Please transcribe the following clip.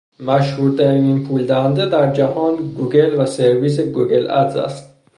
مشهورترین پول دهنده در جهان گوگل و سرویس گوگل ادز است.